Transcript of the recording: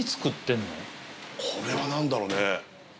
これは何だろうね。